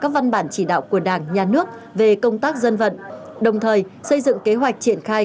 các văn bản chỉ đạo của đảng nhà nước về công tác dân vận đồng thời xây dựng kế hoạch triển khai